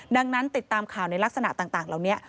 ดังนั้นติดตามข่าวในลักษณะต่างเหล่านี้